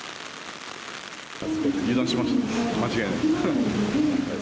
油断しました、間違いなく。